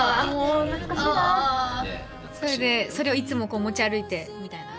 それをいつも持ち歩いてみたいな？